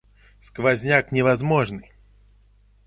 Сквозняк невозможный.